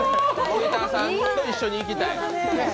森田さんと一緒に行きたいと。